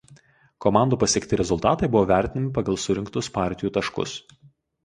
Komandų pasiekti rezultatai buvo vertinami pagal surinktus partijų taškus.